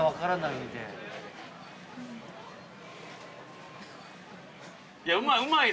◆いや、うまい。